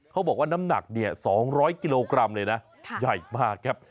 เขาบอกว่าน้ำหนักเนี่ยสองร้อยกิโลกรัมเลยน่ะค่ะใหญ่มากครับ